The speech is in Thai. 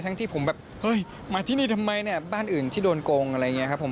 ทั้งที่ผมแบบมาที่นี่ทำไมบ้านอื่นที่โดนโกงอะไรอย่างนี้ครับผม